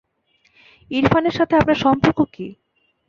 ইরফানের সাথে আপনার সম্পর্ক কী?